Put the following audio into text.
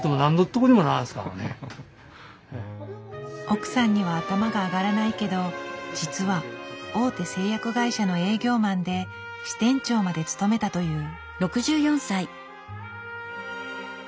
奥さんには頭が上がらないけど実は大手製薬会社の営業マンで支店長まで務めたという。